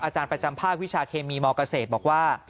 อาจารย์ประจำภาควิชาเคมีมเกษตรบอกว่า